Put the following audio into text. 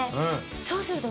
そうすると。